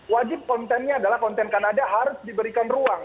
wajib kontennya adalah konten kanada harus diberikan ruang